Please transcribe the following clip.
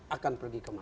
akan pergi kemana